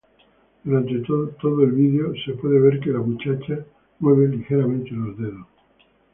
Durante todo video, se puede ver que la muchacha mueve ligeramente los dedos.